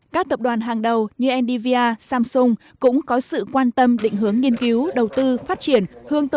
các tập đoàn hàng đầu như ndva samsung cũng có sự quan tâm định hướng nghiên cứu đầu tư phát triển